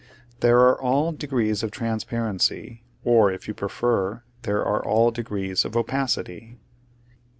There are all de grees of transparency, or, if you prefer, there are all degrees of opacity.